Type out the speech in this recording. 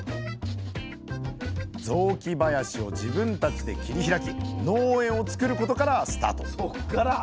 雑木林を自分たちで切り開き農園を作ることからスタートそっから。